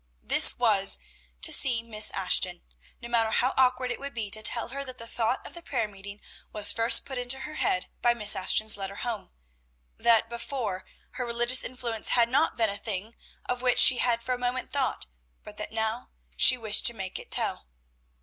This was, to see Miss Ashton, no matter how awkward it would be to tell her that the thought of the prayer meeting was first put into her head by Miss Ashton's letter home; that before, her religious influence had not been a thing of which she had for a moment thought, but that now she wished to make it tell.